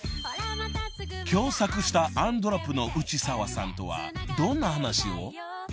［共作したａｎｄｒｏｐの内澤さんとはどんな話を？］